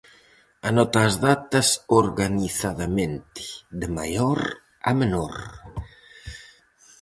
Anota as datas organizadamente, de maior a menor.